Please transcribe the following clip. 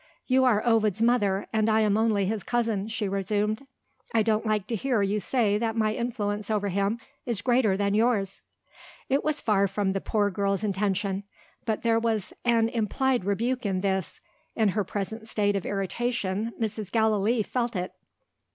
"You are Ovid's mother, and I am only his cousin," she resumed. "I don't like to hear you say that my influence over him is greater than yours." It was far from the poor girl's intention; but there was an implied rebuke in this. In her present state of irritation, Mrs. Gallilee felt it.